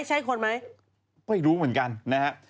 วะอีกรูปเหมือนกันนะฮะ